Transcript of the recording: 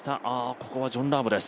ここ、ジョン・ラームです。